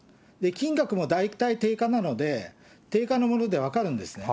金額も大体定価なので、定価のもので分かるんですね。